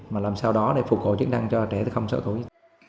mà làm sao đó để phục hồi chức năng cho trẻ từ sáu tuổi